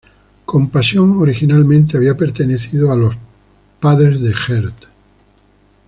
Compasión originalmente había pertenecido a los padres de Gert.